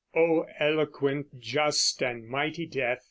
O eloquent, just, and mighty Death!